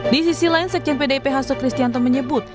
di sisi lain sekjen pdip hasto kristianto menyebut